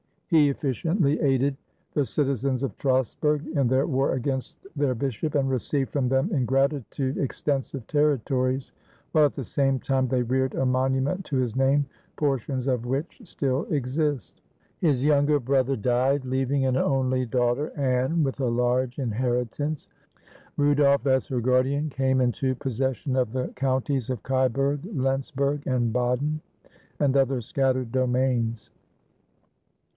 He efficiently aided the citizens of Strasburg in their war against their bishop, and received from them in gratitude extensive territories, while at the same time they reared a monu ment to his name, portions of which still exist. His younger brother died, leaving an only daughter, Anne, with a large inheritance. Rudolf, as her guardian, came into possession of the counties of Kyburg, Lentzburg, and Baden, and other scattered domains.